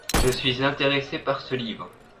Je suis intéressé par ce livre.